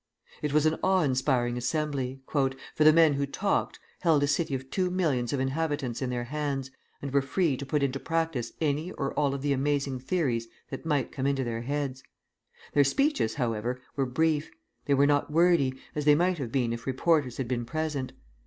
It was an awe inspiring assembly; "for the men who talked, held a city of two millions of inhabitants in their hands, and were free to put into practice any or all of the amazing theories that might come into their heads. Their speeches, however, were brief; they were not wordy, as they might have been if reporters had been present.